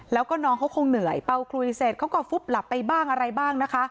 แล้วก็น้องเขาคงเหนื่อยเป่าคลุยเสร็จเขาก็ฟุบหลับไปบ้างอะไรบ้างนะคะ